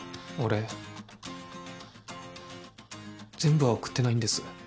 全部は送ってないんです